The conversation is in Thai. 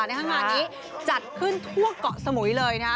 ในห้างงานนี้จัดขึ้นทั่วเกาะสมุยเลยนะ